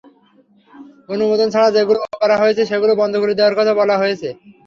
অনুমোদন ছাড়া যেগুলো হয়েছে সেগুলো বন্ধ করে দেওয়ার কথা বলা হয়েছে।